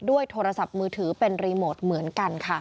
โทรศัพท์มือถือเป็นรีโมทเหมือนกันค่ะ